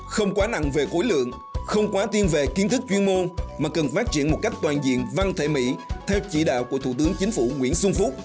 không quá nặng về cuối lượng không quá tiên về kiến thức chuyên môn mà cần phát triển một cách toàn diện văn thể mỹ theo chỉ đạo của thủ tướng chính phủ nguyễn xuân phúc